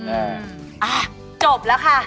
อะจบละค่ะ